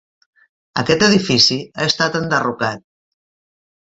Aquest edifici ha estat enderrocat.